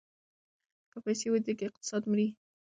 که پیسې ودریږي اقتصاد مري.